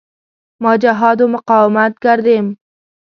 ما جهاد و مقاومت کردیم.